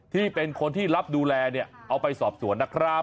ที่เป็นคนที่รับดูแลเนี่ยเอาไปสอบสวนนะครับ